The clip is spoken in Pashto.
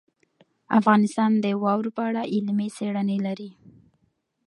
افغانستان د واوره په اړه علمي څېړنې لري.